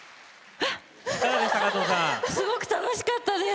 すごく楽しかったです。